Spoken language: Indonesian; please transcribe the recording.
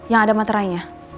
yang ada materainya